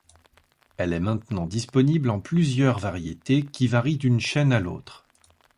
Elle est maintenant disponible en plusieurs variétés, qui varient d'une chaîne à l'autre.